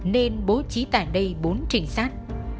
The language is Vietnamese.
nên bố trí tại đây bốn trinh sát